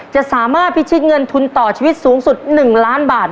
จะสามารถพิชิตเงินทุนต่อชีวิตสูงสุด๑ล้านบาท